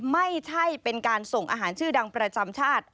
ไม่ใช่เป็นการส่งอาหารชื่อดังประจำชาติ